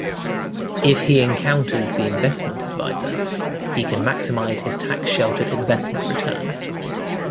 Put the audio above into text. If he encounters the investment advisor, he can maximize his tax-sheltered investment returns.